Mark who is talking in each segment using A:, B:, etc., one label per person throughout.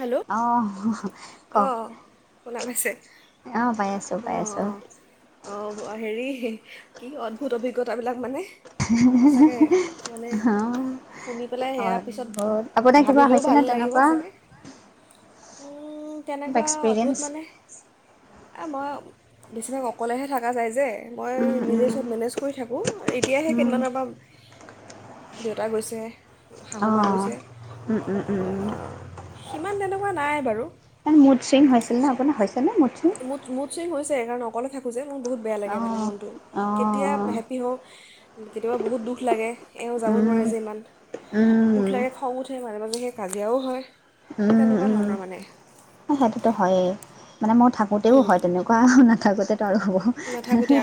A: Hello অ
B: কওক
A: শুনা পাইছে
B: অ', পাই আছোঁ,
A: অ
B: পাই আছোঁ
A: অ অ হেৰি কি অদ্ভূত অভিজ্ঞতাবিলাক মানে সঁচাকে মানে
B: অ
A: শুনি পেলাই
B: অ
A: সেয়া পিছত
B: বহুত আপোনাৰ কিবা
A: ভাবিলেও
B: হৈছে
A: ভাল
B: নে
A: লাগিব
B: তেনেকুৱা
A: চাগে। উম উম তেনেকুৱা অদ্ভুত
B: এক্সপিৰিয়েঞ্চ?
A: মানে এ মই বেছিভাগ অকলেহে থাকা যায় যে মই
B: উম,
A: নিজে
B: উম,
A: চব মেনেজ কৰি থাকোঁ এতিয়াহে
B: উম,
A: কেইদিমানৰ পৰা দেউতা গৈছে
B: অ
A: শাহুমা গৈছে
B: উম উম
A: তাত
B: উম
A: সিমান তেনেকুৱা নাই বাৰু
B: এ মুড চিং হৈছিল নে আপোনাৰ হৈছ
A: মুডচিং হৈছ সেইকাৰণে অকলে থাকো যে মোৰ বহুত বেয়া লাগে মানে
B: অ',
A: মনটো কেতিয়া
B: অ',
A: হেপী হওঁ কেতিয়াবা বহুত দুখ লাগে এওঁ যাব
B: উম,
A: নোৱাৰে যে ইমান দুখ
B: উম,
A: লাগে খং উঠে মাজে মাজে সেই কাজিয়াও হয় সেই তেনেকুৱা ধৰণৰ মানে
B: সেইটোত হয়ে মানে মই থাকোঁতেও
A: উম,
B: হয় তেনেকুৱা নাথাকোঁতেতো আৰু হ'ব
A: নাথাকোঁতে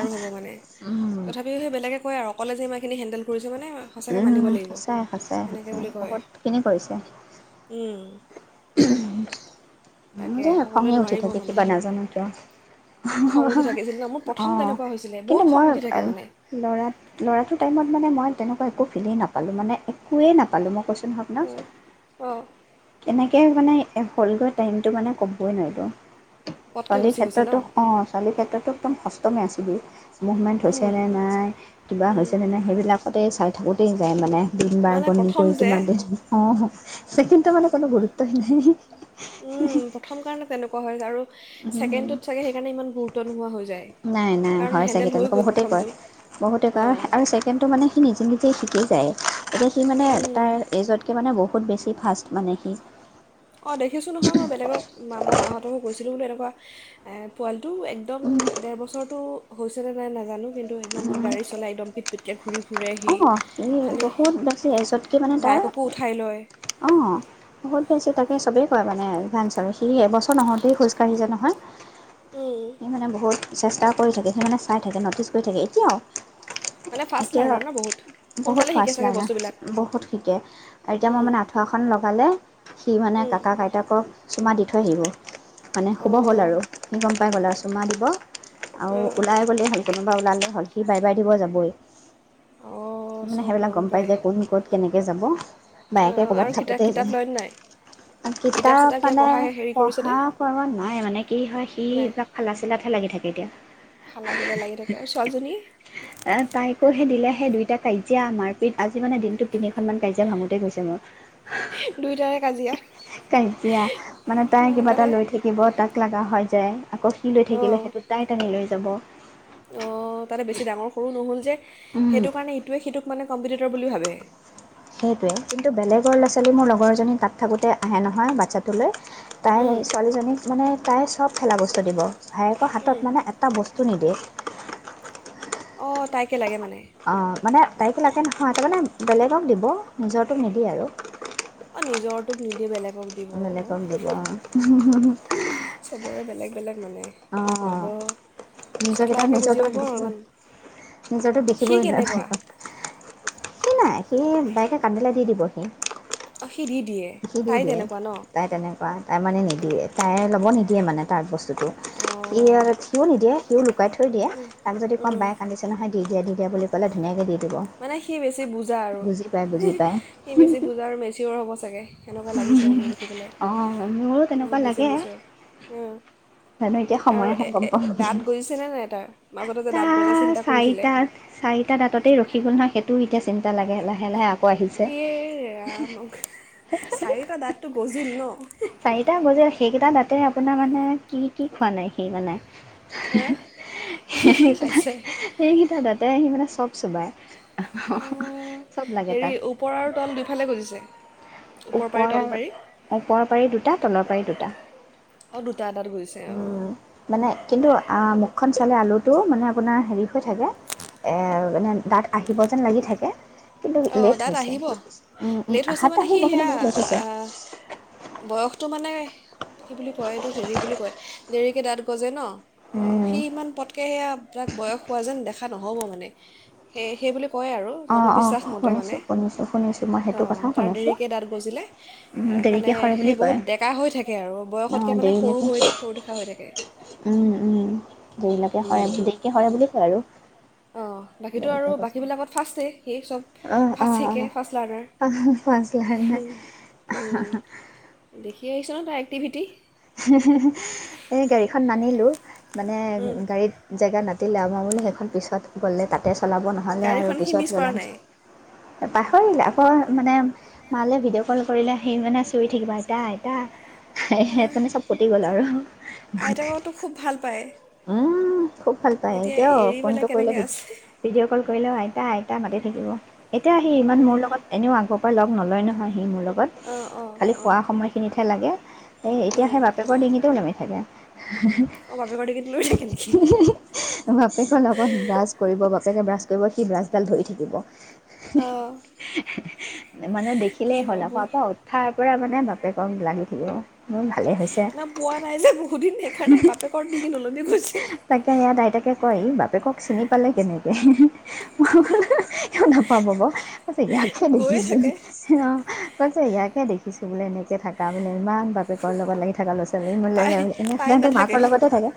A: বিলাকে কয় আৰু অকলে যে ইমানখিনি হেডেল কৰিছে মানে
B: উ
A: সঁচাকৈ মানিব লাগিব
B: সঁচাই সঁচাই
A: সেনেকৈ
B: সঁচাই
A: বুলি কয়
B: বহুতখিনি কৰিছে।
A: [inaudible] সকলোৱে
B: খঙে উঠি
A: নোৱাৰিব
B: থাকে
A: মানে
B: কিবা নাজানো। এ
A: খং উঠি থাকিছিল ন মোৰ প্ৰথম
B: অ'‌
A: তেনেকুৱা হৈছিলে
B: কিন্তু
A: বহুত খং
B: মই
A: উঠি থাকে মানে
B: ল'ৰা ল'ৰাটোৰ টাইমত মানে মই তেনেকুৱা একো ফিলেই নাপালো মানে একোৱে নাপালো মই কৈছ নত ন,
A: অঁ
B: কেনেকে? এ মানে হ'লগৈ টাইমটো মানে কম ক নাইতো
A: পটকৈ
B: ছোৱালীৰ
A: গুচি গৈছে ন
B: ক্ষেত্ৰতো অ' ছোৱালীৰ ক্ষেত্ৰতো একদম সষ্টমে আছিলো মুভমেণ্ট
A: উম,
B: হৈছে নে নাই কিবা
A: উম,
B: হৈছে নে নাই সেইবিলাকতেই চাই থাকোঁতেই যায় মানে দিন বাৰ
A: মানে
B: গণি
A: প্ৰথম
B: কৰি
A: যে
B: কিমান দিন অ'। [unintelligible] নৰ মানে কোনো গুৰুত্বই
A: উম,
B: নাই।
A: প্ৰথম কাৰণে তেনেকুৱা হয় আৰু। ছেকেণ্ডত চাগে সেইকাৰণে ইমান গুৰুত্ব [unintelligible]
B: নাই নাই
A: কাৰণ
B: হয়
A: হেণ্ডেল
B: চাগে
A: হৈ
B: তেওঁলোকে
A: গ'ল
B: বহুতেই কয়
A: প্ৰথমটো
B: বহুতে কয়
A: অঁ
B: আৰু চছেকেণ্ডটো মানে সি নিজে নিজে কি যায় এতিয়া সি মানে
A: উম,
B: তাৰ এজতকে মানে বহুত বহুত বেছি ফাষ্ট মানে সি
A: অ' দেখিছো নহয় মই বেলেগক মাহঁতকো কৈছিলো দেই পোৱালি একদম ডেৰ বছৰত ত' হৈছেনে নাই নাজানো কিন্তু একদম গাড়ী চলাই একদম পিট পিটকে ঘূৰি ফুৰে সি
B: অ', সি
A: খালী
B: বহুত বেছি এজতকে মানে তাৰ
A: বায়েককো উঠাই লয়
B: অ', বহুত বেছি তাক চবেই কয় মানে সি এবছৰ নহওঁতেই খোজকাঢ়ি যায় নহয়।
A: উম,
B: এই মানে বহুত চেষ্টা কৰি থাকে সি মানে চাই থাকে ন'টিছ কৰি থাকে এতিয়াও
A: মানে ফাৰ্চ
B: এতিয়া
A: লাৰ্নিং ন'। বহুত
B: বহুত
A: সোনকালে শিকে
B: ফাৰ্ষ্ট
A: চাগে
B: লাৰ্নাৰ
A: বস্তুবিলাক
B: মানে বহুত শিকে আৰু এতিয়া মই
A: উম,
B: মানে আঁঠুৱা এখন লগালে সি মানে
A: উম,
B: ককা আইতাকক চুমা দি থৈ আহিব মানে শুব হ'ল
A: অঁ
B: আৰু সি গম পাই গ'ল আৰু চুমা দিব। আৰু
A: অঁ
B: ওলাই গ'লে হ'ল। কোনোবা ওলালে হ'ল সি বাই, বাই দিব যাবই।
A: অঁ
B: মানে
A: চব
B: সেইবিলাক গম পাই
A: পায়
B: যে কোন, ক'ত, কেনেকে যাব।
A: অঁ
B: বায়েকে
A: অঁ
B: কৰ'বাত
A: আৰু কিতাপ
B: থাকোতে
A: কিতাপ
B: যায়
A: লয়নে নাই
B: আৰু কিতাপ
A: চিতাপ কিবা
B: মানে
A: পঢ়া হেৰি কৰিছেনে
B: পঢ়া কৰা নাই মানে। কি হয় সি এইবিলাক খালা চালাত লাগি থাকে এতিয়া।
A: হালাজালা লাগি থাকে আৰু ছোৱালীজনী।
B: তাইকো দিলে সেই দিম এতিয়া কাজিয়া মাৰ পিত আজি মানে দিনটোত তিনিখন মান কাজিয়া ভাঙোতেই গৈছে মোৰ। হা- হা
A: দুয়োটাৰে কাজিয়া
B: -হা, কাজিয়া মানে তাই
A: অঁ,
B: কিবা এটা
A: তাতে
B: লৈ থাকিব তাক লগা হয়। যায়। আকৌ সি লৈ থাকিলে সেইটো তাই টানি লৈ যাব।
A: অহ ', তাতে বেছি ডাঙৰ সৰু নহ'ল যে।
B: উম
A: সেইটো কাৰণে এইটোৱ সেইটোক মানে কামযুৰি কে বুলি ভাবে।
B: সেইটোৱে, কিন্তু বেলেগৰ লৰা চালে মোৰ লগৰজনী তাত থাকোঁতে আহে নহয় বাচ্ছাটোলৈ। তাইৰ
A: উম,
B: ছোৱালীজনীক মানে তাই সব। খেলা বস্তু দিব। ভায়েকৰ
A: উম।
B: হাতত মানে এটা বস্তু নিদে।
A: অহ ', তাইকে লাগে মানে।
B: অহ ', মানে। টাইকো লাগে নহয় তাৰমানে বেলেগক দিব নিজৰো নিদিয়ে আৰু।
A: অহ ', নিজৰ তোক নিদিয়ে বেলেগ।
B: বেলেগক দিব আৰু। হুম - হুম- হুম
A: চবৰে বেলেগ -বেলেগ মানে কি হ'ব। পিছত
B: নিজৰকেইটাই -
A: লাহেকৈ বুজি
B: নিজৰটোক
A: পাব আৰু
B: দেখিবই,
A: ইমান
B: নিকৰটোক
A: সি
B: দেখিবই নোৱাৰে
A: কেনেকুৱা
B: ভাইকক। সি নাই সি বায়কে কান্দিলে দি দিব সি।
A: অহ ', হি সি দি দিয়ে তাই তেনেকুৱা ন।
B: বা তাই মানে নিদিয়ে তাই ল'ব নিদিয়ে মানে তাৰ বস্তু এহ
A: অঁ
B: আৰু সিও থব নিদিয়। হয় নেকি [unintelligible] শুকাই থৈ দিয়ে, তাক যদি কম
A: উম,
B: বাই কান্দিছে নহয় দি দিয়। দিয়া বুলি কলে ধুনীয়াকে দি দিয়ে।
A: মানে সি বেছি বুজা আৰু
B: বুজি পায়
A: সি বেছি বুজা আৰু মেচিৰ হ'ব চাগে। সেনেকুৱা লাগিছে মানে দেখিবলৈ
B: অঁ মোৰো তেনেকুৱা
A: বহুত বেছি
B: লাগে
A: মেচৰ, উম।
B: এতিয়া
A: আৰু
B: সময় হাতত
A: এ- এ-
B: কম এতিয়া
A: দাঁত গজিছেনে নাই তাৰ মাজতে যে দাঁত গজা চিন্তা
B: চাৰি
A: কৰিছিলে
B: চাৰিটা দাঁত দেই ৰখি গ'ল না সেইটোও চিন্তা লাগে লাহে, লাহে আকৌ আহিছে
A: এৰা চাৰিটা দাঁতটো গজিল ন'।
B: চাৰিটা বজে সেইকেইটা তাতে আপোনাৰ মানে কি কি খোৱা নাই সেই মানে।
A: হা? সি
B: সে
A: কি চাইছে
B: সেইকেইটা দাঁতে সি মানে চব চুবাই।
A: অঁ
B: চব লাগে
A: হেৰি
B: তাক
A: ওপৰ আৰু তল দুইফালে গজিছে পাৰি
B: ওপৰ
A: তল পাৰি
B: ওপৰৰ পাৰি দুটা তলৰ পাৰি দুটা
A: অঁ দুটা দাঁত গজিছে অঁ
B: উম, মানে কিন্তু আহ, মুখখন চালে আলু টো মানে আপোনাৰ হেৰি হৈ থাকে এ মানে দাঁত আহিব যেন লাগি থাকে। কিন্তু
A: অ',
B: লেট
A: দাত
B: হৈছে
A: আহিব
B: উম, উম,
A: লেট হৈছে
B: আহাত
A: মানে সি
B: আহিব কিন্তু
A: সেয়া
B: বহুত লেট হৈছে।
A: বয়সটো মানে কি বুলি কয় এইটো হেৰি বুলি কয় দেৰিকে দাঁত গজে ন'। অ',
B: উম,
A: সি ইমান পটকে সেয়া আপোনাক বয়স হোৱা যেন দেখা উথা নহ'ব মানে সে সেই বুলি কয় আৰু
B: অ', অ',
A: জনবিশ্বাস মানে
B: শুনিছোঁ শুনিছোঁ শুনিছোঁ মই সেইটো
A: অ',
B: কথাও
A: তাৰ
B: শুনিছোঁ।
A: দেৰিকৈ দাঁত গজিলে
B: উম, দেৰিকে
A: মানে
B: সৰে বুলি
A: সেই
B: কয়
A: বহুত ডেকা হৈ থাকে আৰু
B: অ',
A: বয়সতকৈ মানে সৰু
B: দেৰিলৈকে
A: হৈ সৰু ডেকা হৈ থাকে।
B: যিলকে সৰাকে সৰা বুলি কয় আৰু
A: অ', বাকীটো আৰু
B: দেৰিকে কৈছিলোঁ।
A: বাকীবিলাকত ফাৰ্ষ্ট সেই চব
B: অ',
A: ফাৰ্ষ্ট
B: অ',
A: শিকে, ফাৰ্ষ্ট লাৰ্ণাৰ,
B: অ', ফাৰ্ষ্ট লাৰ্ণাৰ।
A: উম। কিছে ন' তাৰ এক্টিভিটি
B: এনে গাড়ীখন নানিলো। মানে গাড়ীত জেগা নথ তি লভ বুলি সেইখন পিছত গ'লে তাত তাতে চলাব নহ'লে আৰু
A: গাড়ীখন সি
B: পিছত
A: মিছ কৰা
B: গ'লে
A: নাই
B: পাহৰিল আকৌ মানে তালৈ ভিডিঅ' কল কৰিলে সি মানে চিঞৰি থাকিব আইতা আইতা হেহে মাণে চব ফুতি গ'ল আৰু
A: আইতাককতো খুব ভাল পায়
B: উম, খুব ভাল পায়
A: এতিয়া
B: এতিয়াও
A: এৰি
B: ফোন টো
A: পেলাই
B: কৰিলে
A: কেনেকৈ আছে
B: ভিডিঅ' কল কৰিলেও আইতা আইতা মাতি থাকিব। এতিয়া আহি
A: অ'
B: ইমান মোৰ লগত এনেও আগৰ পৰা লগ নলয় নহয় সি মোৰ লগ
A: অঁ অঁ
B: খালি
A: অঁ
B: শুৱা সময়খিনিতহে লাগে সেইত তেতিয়া সেই বাপেকৰ ডিঙিতে ওলমি থাকে,
A: অঁ বাপেকৰ ডিঙিত লৈ থাকে নেকি
B: বাপেকৰ লগত ব্ৰাছ কৰিব, বাপেকে ব্ৰাছ কৰিব দি ব্ৰাছডাল ধৰি থাকিব।
A: অঁ
B: মানে
A: কি
B: দেখিলেই হ'ল
A: হ'ব
B: আৰু শুৱাৰ পৰা উঠাৰ পৰা মানে বা বাপেকক লাগি থাকিব, মোক
A: ন' পোৱা নাই যে, বহু দিন সেইকাৰণে বাপেকৰ ডিঙিত ওলমি গৈছে।
B: তাকে ইয়াত আইতাকে কয় ই বাপেকক চিনি পালে কেনেকে কিয় নাপাব বাৰু? ইয়াকহে
A: গৈয়ে
B: দেখিছোঁ
A: থাকে
B: অ'। কৈছে ইয়াকহে দেখিছোঁ বোলে এনেকে থাকা বোলে ইমান কৰ লগত লাগি থকা ল'ৰা ছোৱালী
A: তাই
B: [unintelligible] এনে
A: তাই
B: সাধাৰণতে
A: নাথাকে
B: মাকৰ লগতে থাকে,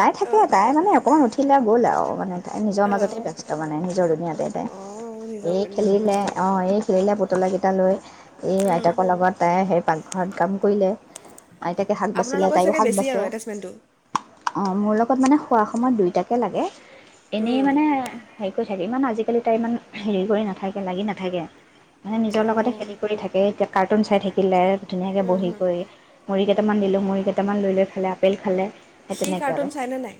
B: তাই থাকে
A: অঁ
B: তাই মানে অকমান উঠিলে গ'ল আৰু মানে তাই নিজৰ মাজতে
A: অঁ
B: ব্যস্ত মানে নিজৰ দুুনীয়াতে তাই
A: অঁ নিজৰ
B: এই
A: নিজে
B: খেলিলে
A: ব্যস্ত
B: অ', এই খেলিলে পুতলাকেইটা লৈ এই আইতাকৰ লগত তাই সেই পা ঘৰত কাম কৰিলে। আইতাকে শাক
A: আপোনাৰ
B: বাচিলে,
A: লগত
B: তাইও
A: চাগে
B: শাক
A: বেছি
B: বাচে।
A: আৰু এটেচমেণ্টটো
B: অ', মোৰ লগত মানে শুৱা সময়ত দুইটাকে লাগে। এনেই মানে হেয়ি কৰি থাক ইমান আজিকালি তাই ইমান হেৰি কৰি নাথাকে, লাগি নাথাকে। মানে নিজৰ লগতে
A: অঁ
B: খেলি কৰি থাকে, এতিয়া কাৰ্টুন চাই থাকিলে ধুনীয়াকে বহি কৰি। মুৰি কেইটামান দিলোঁ, মুৰি কেইটামান লৈ, লৈ খালে, আপেল খালে।
A: সি কাৰ্টুন চাইনে নাই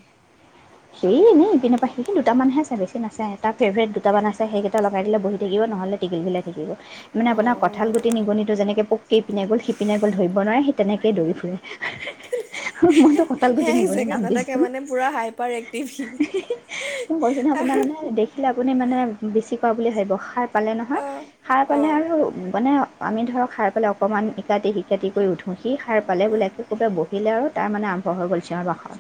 B: সেই এনে পিনে পাই সেইখিনি দুটামানহে চাই বেছি নাচাই এটা ফেভৰেট দুটামান আছে চ সেই লগাই দিলে বহি থাকিব নহলে টিঘিলঘিলাই থাকিব মানে আপোনাৰ কঠাল গুটি
A: সে
B: নিগনি যেনেকে পি পিনে গ'ল সিপিনে গল ধৰিব নোৱাৰে তেনেকেই দৌৰি ফুৰে মইতো কঠাল গুটি
A: এক
B: নিগনি
A: জেগাত
B: নাম
A: নাথাকে
B: দিছো
A: মানে পুৰা হাইপাৰ এক্টিভ সি।
B: মোক কৈছ ন
A: তাৰ
B: আপোনাৰ মানে দেখিলে আ আপুনি মানে বেছি পোৱা বুলি ভাবিব খাত পালে নহয়
A: অ'
B: সাৰ পালে
A: অ'
B: আৰু মানে আমি ধৰক খাই পেলাই অকনমান ইকাটি সিকাটি কৰি উঠো কি সাৰ পালে বোলোক কবে বহিলে আৰু তাই মানে আৰম্ভ হৈ গল চিঞৰ বাসৰ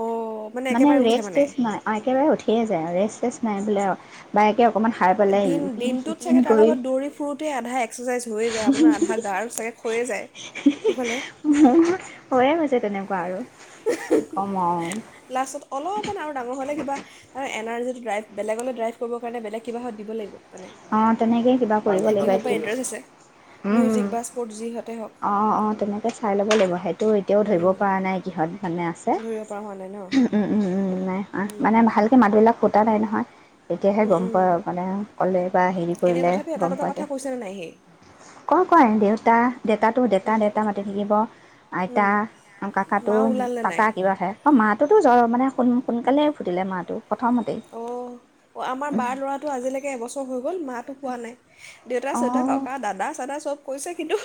A: অ'
B: মানে
A: একেবাৰে উঠে
B: ৰেষ্ট
A: মানে
B: টেষ্ট নাই একেবাৰে উঠিয়ে আছে ৰেষ্ট টেষ্ট নাই বোলে আৰু বায়েকে অকণমান খাই পেলাই
A: দিন
B: ইপিন
A: দিনটোত
B: সিপিন
A: চাগে তাৰ
B: কৰি
A: লগত দৌৰি ফুৰোতে আধা এক্সাৰচাইজ হৈয়ে যায়। আপোনাৰ আধা গাৰ চাগে খয়ে যায়। সেইফালে
B: মোৰ হৈয়ে গৈছে তেনেহ'লে কোৱা আৰু কি ক'ম আও
A: লাষ্টত অলপমান আৰু ডাঙৰ হ'লে কিবা এনাৰৰ্জীটো ড্ৰাইভ বেলেগলৈ ড্ৰাইভ কৰিব কাৰণে বেলেগ কিবাহত দিব লাগিব। মানে
B: অ তেনেকেই কিবা কৰিব
A: এতিয়া
B: লাগিব
A: কিহত বা
B: এক্টিভ
A: ইণ্টাৰেষ্ট আছে মিউজিক বা স্পৰ্টছ যিহঁত
B: অ', অ', তেনেকে চাই ল'ব লাগিব। তো এতিয়াও ধৰিব পৰা নাই কিহঁত মানে আছে
A: ধৰিব পৰা হোৱা নাই
B: উম, উম, উম, নাই অ', মানে ভালকে মাতবিলাক ফুটা নাই নহয়। তেতিয়াহে গম
A: ন
B: পোৱা মানে ক'লে বা হেৰি
A: এনে
B: কৰিলে
A: তথাপি এটা
B: গম
A: দুটা
B: পোৱা
A: কথা
B: যায়
A: কৈছেনে নাই সি
B: কয়, কয় দেউতা দেউতাটো ডেতা ডেতা মাতি থাকিব আইতা
A: উম, মা
B: কাকাটো
A: ওলালনে নাই
B: টাটা কিবা আহে অ', মাটোতো মানে সোন সোনকালে ফুটিলে মা টো।
A: অ', অ', আমাৰ বাৰ ল'ৰাটো আজিলৈকে এবছৰ হৈ গ'ল। গ'ল মা টো পোৱা নাই। দেউতা, চেউতা,
B: অঁ
A: ককা, দাদা দা চব কৈছে। কিন্তু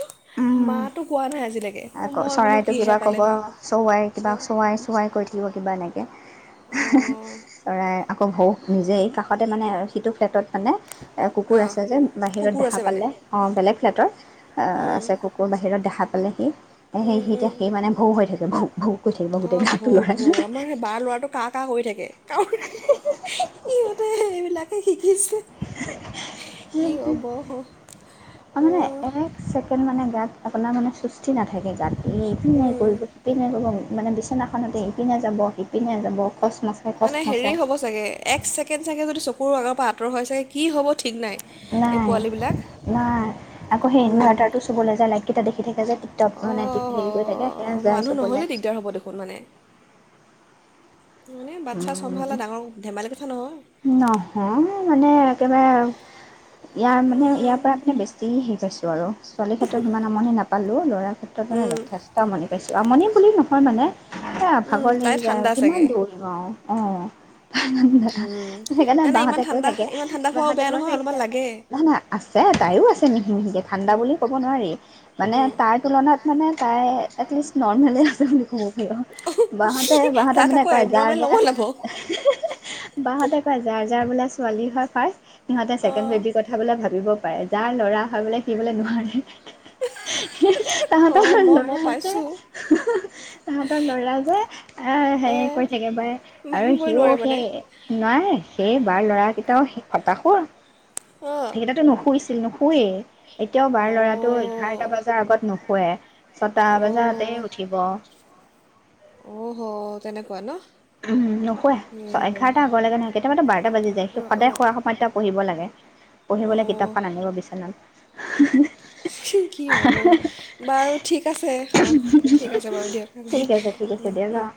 A: মাটো কোৱা নাই আজিলৈকে। অঁ
B: আকৌ
A: মই বোলো
B: চৰাইটো কিবা
A: কিহে
B: ক'ব
A: পালে বা
B: চৰাই কিবা
A: অঁ
B: চোৱাই চৱাই কৈ থাকিব কিবা এনেকৈ
A: অঁ
B: চৰাই আকৌ সৌ নিজে এই কাষতে মানে সিটো ফ্লেটত মানে কুকুৰ
A: অঁ
B: আছে যে বাহিৰত
A: কুকুৰ
B: দেখা
A: আছে মানে
B: পালে অ', বেলেগ ফ্লেটৰ
A: উম
B: আছে কুকুৰ বাহিৰত দেখা পালে সি এ সে স এতিয়া সেই মানে ভৌ হৈ থাকে। তেনেকে ভৌ ভৌ কৈ থাকিব
A: অ',
B: গোটেই গাটো
A: ভৌ ভৌ
B: লৰাই
A: আমাৰ সেই বাৰ ল'ৰাটো কা কা কৰি থাকে। সিহঁতে সেইবিলাকে শিকিছে। কি
B: ত'
A: হ'ব অঁ
B: মানে এক ছেকেণ্ড মানে গাত আপোনাৰ মানে সুস্হিৰ নাথাকে গাত। এই কি নকৰিব
A: উম
B: কৰিব [unintelligible] মানে বিচনাখনতে ইপিনে যাব, সিপিনে যাব। খচ মচাই খচ
A: মানে হেৰি
B: মচাই
A: হ'ব চাগে এক ছেকেণ্ড চাগে যদি চকুৰ আগৰ পৰা আতঁৰ হৈ যায় কি হ'ব ঠিক নাই এই
B: নাই,
A: পোৱালিবিলাক
B: নাই আকৌ সেই
A: উম,
B: ইনভাৰ্টাৰটো চুবলৈ যায় লাইটকেইটা দেখি থাকে যে টিপটপ মানে
A: অঁ
B: হেৰি কৰি থাকে সেয়া যায়
A: মানুহ
B: চুবলে।
A: নহ'লে দিগদাৰ হ'ব দেখোন মানে মানে বাচ্ছা চম্ভালা ডাঙৰ ধেমালি কথা নহয়।
B: নহয় মানে একেবাৰে। ইয়াৰ মানে ইয়াৰ
A: উম,
B: পৰা পা বেছি হে পাইছোঁ আৰু ছোৱালী ক্ষেত্ৰত সিমান আমনি নাপায়। পালো ল'ৰা ক্ষেত্ৰত মানে
A: উম,
B: যথেষ্ট আমনি পাইছোঁ আমনি বুলি নহয় মানে এ
A: উম,
B: ভাগৰ
A: তাই
B: লাগি যায়
A: ঠাণ্ডা
B: আৰু
A: চাগে
B: কিমান দৌৰিম আৰু অ
A: উম,
B: [unintelligible] সেইকাৰণে
A: নাই নাই ইমান
B: বাহতে কৈ
A: ঠাণ্ডা
B: থাকে
A: ইমান ঠাণ্ডা খোৱাও
B: বাহহতে
A: বেয়া
B: ক
A: নহয় অলপমান
B: থাকে
A: লাগে
B: নাই না আছে তাইও আছে মিহি মিহিকে ঠাণ্ডা বুলি ক'ব নোৱাৰি মানে
A: উম,
B: তাৰ তুলনাত মানে তাই এটলিষ্ট নৰ্মেলে আছে বুলি ক'ব। বাহতে বাহতে
A: তাক
B: মানে
A: আকৌ
B: কয় যাৰ
A: এবনৰ্মেল
B: যাৰ
A: নবনাব
B: তহঁতে কোৱা যায়। জাৰ বোলে ছোৱালী হয় ফাৰ্ষ্ট। সিহঁতে ছেকেণ্ড
A: অঁ
B: বেবিৰ কথা বোলে ভাবিব যাৰ ল'ৰা হয় বোলে সি বোলে নোৱাৰে। তাহতৰ
A: অঁ মই মই
B: ল'ৰা যে
A: পাইছোঁ
B: তাহতৰ লৰা যে আহ হেৰি
A: অঁ
B: কৰি থাকে পাৰে আৰু
A: ভাবিবই
B: সিও
A: নোৱাৰে মানে
B: সেই নাই সেই বাৰ ল'ৰাকেইটাও খতাশো।
A: অঁ
B: সেইকেইটাতো নুখশূইছে নোশুয়ে এতিয়াও বাৰ ল'ৰাটো এঘাৰটা
A: অ',
B: বজাৰ আগত নুশুৱে ছটা বজাতে
A: অ',
B: উঠিব।
A: অহ, তেনেকুৱা ন।
B: উম নুশুৱে ছ এঘাৰটা
A: অ',
B: আগৰলৈকে নহয় কেতিয়াবাো বাৰটা বাজি যায় সদায়
A: অ',
B: খোৱা সময়ত তেওঁ পঢ়িব লাগে পঢ়িবলৈ
A: অ',
B: কিতাপখন আনিব বিচনাত। [unintelligible]
A: কি হ'ব বাৰু ঠিক আছে অ ঠিক আছে বাৰু দিয়ক আজি
B: ঠিক আছে ঠিক আছে দিয়া যাওঁ